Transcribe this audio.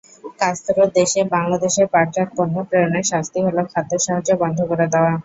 কাস্ত্রোর দেশে বাংলাদেশের পাটজাত পণ্য প্রেরণের শাস্তি হলো খাদ্যসাহায্য বন্ধ করে দেওয়া।